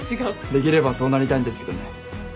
できればそうなりたいんですけどね。